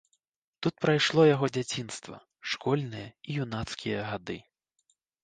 Тут прайшло яго дзяцінства, школьныя і юнацкія гады.